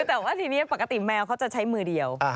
แต่ว่าทีนี้ปกติแมวเขาจะใช้มือเดียว